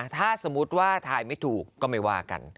ถ้าสมมุติว่าทายไม่ถูกก็ไม่ว่ากัน